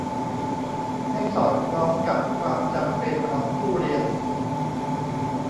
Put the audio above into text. ให้สอดคล้องกับความจำเป็นของผู้เรียน